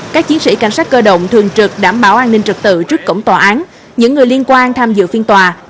các chiến sĩ cảnh sát cơ động thường trực đảm bảo an ninh trật tự trước cổng tòa án những người liên quan tham dự phiên tòa